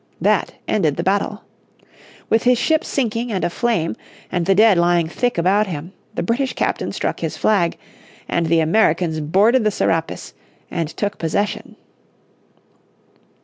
That ended the battle. With his ship sinking and aflame, and the dead lying thick about him, the British captain struck his flag, and the Americans boarded the Serapis and took possession.